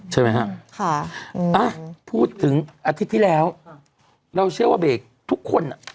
ใช่ไหมครับอาพูดถึงอาทิตย์ที่แล้วเราเชื่อว่าเบรกทุกคน